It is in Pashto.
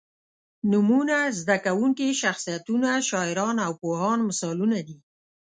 نومونه، زده کوونکي، شخصیتونه، شاعران او پوهان مثالونه دي.